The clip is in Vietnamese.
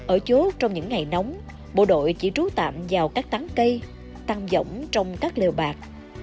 ở chố trong những ngày nóng bộ đội chỉ trú tạm vào các tắng cây tăng dỗng trong các lều bạc